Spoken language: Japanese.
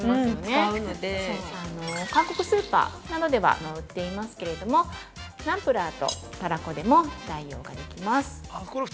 ◆使うので、韓国スーパーなどでは売っていますけれどもナンプラーとたらこでも代用ができます。